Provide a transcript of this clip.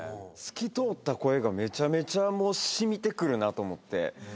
透き通った声がめちゃめちゃ染みてくるなと思って。